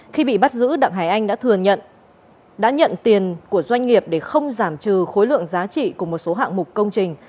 khi bị bắt giữ đặng hải anh đã nhận tiền của doanh nghiệp để không giảm trừ khối lượng giá trị của một số hạng mục công trình